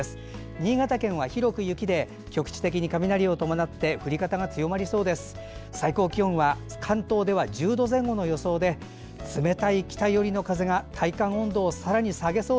新潟県は広く雪で局地的に雷を伴って降り方が強まるでしょう。